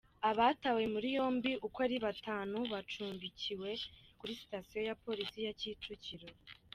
Abatawe muri yombi uko ari batanu bacumbikwe kuri Sitasiyo ya Polisi ya Kicukiro.